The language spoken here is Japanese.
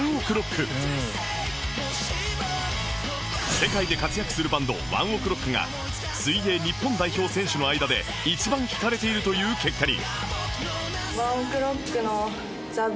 世界で活躍するバンド ＯＮＥＯＫＲＯＣＫ が水泳日本代表選手の間で一番聴かれているという結果に